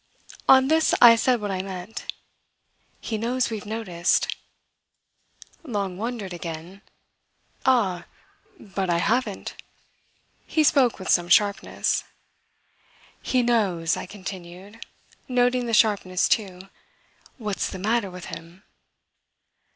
On this I said what I meant. "He knows we've noticed." Long wondered again. "Ah, but I haven't!" He spoke with some sharpness. "He knows," I continued, noting the sharpness too, "what's the matter with him."